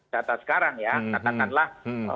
data sekarang ya katakanlah